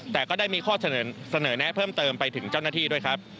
แต่ก็ได้มีข้อเสนอแนะเพิ่มเติมไปถึงเจ้าหน้าที่ด้วยครับ